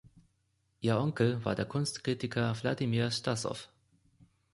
Ihr Onkel war der Kunstkritiker Wladimir Stassow.